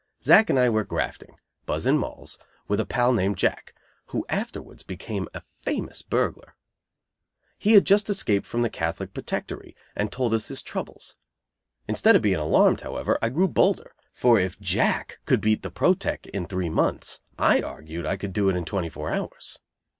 Zack and I were grafting, buzzing Molls, with a pal named Jack, who afterwards became a famous burglar. He had just escaped from the Catholic Protectory, and told us his troubles. Instead of being alarmed, however, I grew bolder, for if Jack could "beat" the "Proteck" in three months, I argued I could do it in twenty four hours.